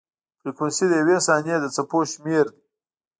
فریکونسي د یوې ثانیې د څپو شمېر دی.